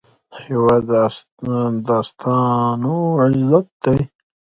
هېواد د استادانو عزت دی.